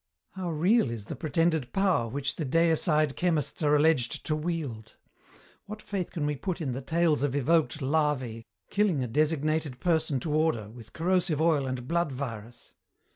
How real is the pretended power which the deicide chemists are alleged to wield? What faith can we put in the tales of evoked larvæ killing a designated person to order with corrosive oil and blood virus?